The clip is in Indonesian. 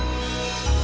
isu istriku bersamaku